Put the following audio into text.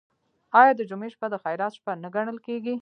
آیا د جمعې شپه د خیرات شپه نه ګڼل کیږي؟